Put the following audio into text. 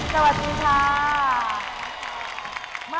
สวัสดีค่ะ